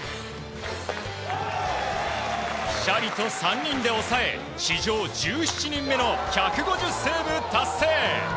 ぴしゃりと３人で抑え史上１７人目の１５０セーブ達成！